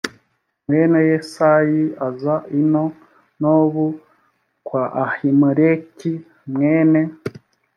mwene yesayi aza i nobu kwa ahimeleki mwene